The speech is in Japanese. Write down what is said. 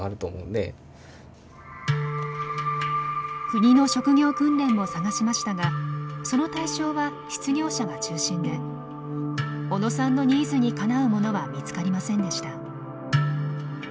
国の職業訓練も探しましたがその対象は失業者が中心で小野さんのニーズにかなうものは見つかりませんでした。